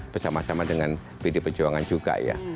bersama sama dengan pd perjuangan juga ya